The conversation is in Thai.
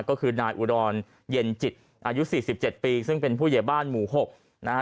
ก็คือนายอุดรเย็นจิตอายุสี่สิบเจ็ดปีซึ่งเป็นผู้เหยียบ้านหมู่หกนะฮะ